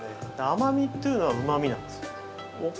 甘みというのは、うまみなんです。